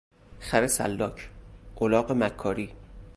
خر سلاک، الاغ مکاری